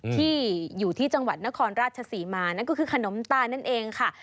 อยู่ที่จังหวัดนครราชศรีมานั่นก็คือขนมตาลนั่นเองค่ะ